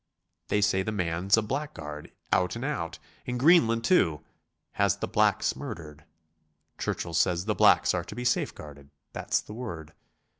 They say the man's a blackguard out and out in Greenland too; has the blacks murdered. Churchill says the blacks are to be safe guarded, that's the word.